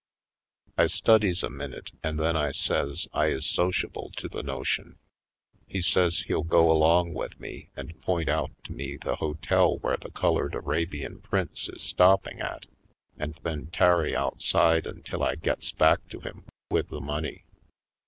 I studies a minute and then I says I is sociable to the notion. He says he'll go along with me and point out to me the hotel where the Colored Arabian Prince is stop ping at and then tarry outside until I gets back to him with the money.